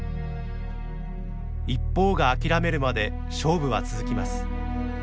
一方が諦めるまで勝負は続きます。